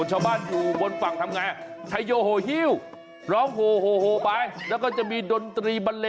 เอาลงไปอีกนิดนิด